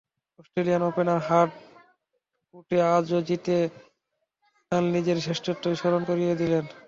Australian ওপেনের hard কোর্টে আজও জিতে নাদাল নিজের শ্রেষ্ঠত্বই স্মরণ করিয়ে দিলেন।